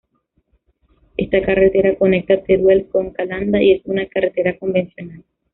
Esta carretera conecta Teruel con Calanda, y es una carretera convencional.